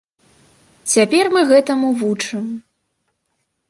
Цяпер мы гэтаму вучым.